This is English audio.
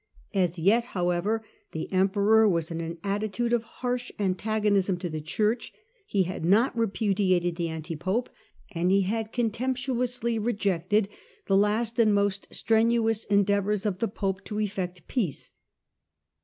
As yet, however, the emperor was in an attitude of harsh antagonism to the Church ; he had not repudiated the anti pope, and he had contemptuously rejected the last and most strenuous endeavours of the pope to eflfect Close of peace.